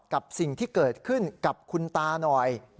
กับสิ่งที่เกิดขึ้นกับคุณตาหน่อย